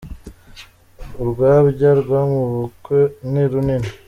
Urwabya rwamabukwe ni runini